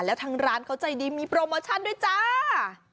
แล้วทางร้านเขาใจดีมีโปรโมชั่นด้วยจ้า